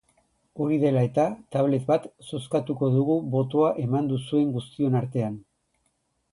Hori dela eta, tablet bat zozkatuko dugu botoa eman duzuen guztion artean.